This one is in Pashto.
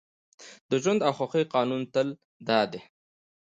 د ژوند او خوښۍ قانون تل دا دی